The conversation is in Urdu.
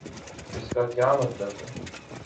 اس کا کیا مطلب ہے؟